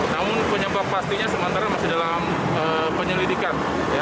namun penyebab pastinya sementara masih dalam penyelidikan